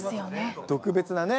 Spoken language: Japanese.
特別なね。